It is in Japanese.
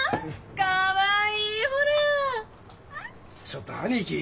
ちょっと兄貴。